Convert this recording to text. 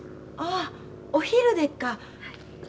ああお昼でっか。